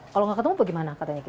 kalau nggak ketemu bagaimana katanya